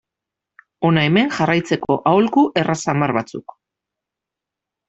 Hona hemen jarraitzeko aholku erraz samar batzuk.